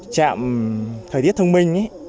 trạm thời tiết thông minh